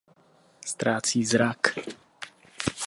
Ztrácí zrak.